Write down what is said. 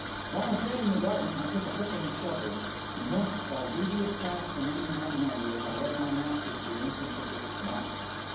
From a shed in the garden, I took a pick and shovel; and thence, by devious paths among the magnolias, led my master to the entrance of the swamp.